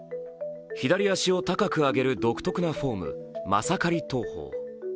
左足を高く上げる独特なフォーム、マサカリ投法。